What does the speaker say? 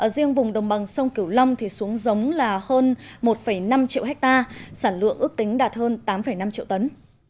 riêng vùng đồng bằng sông kiểu lâm xuống giống là hơn một năm triệu ha sản lượng ước tính đạt hơn tám năm triệu tấn